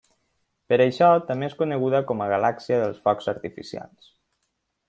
Per això també és coneguda com a Galàxia dels Focs Artificials.